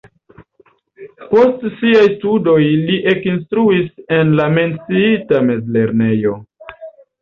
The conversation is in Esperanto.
Post siaj studoj li ekinstruis en la menciita mezlernejo.